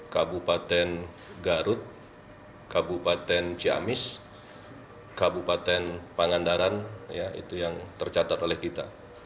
kabupaten ciamis kabupaten pangandaran itu yang tercatat oleh kita